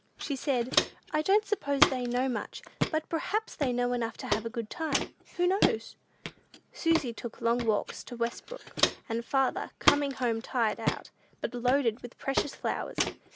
She said, "I don't suppose they know much, but perhaps they know enough to have a good time: who knows?" Susy took long walks to Westbrook, and farther, coming home tired out, but loaded with precious flowers.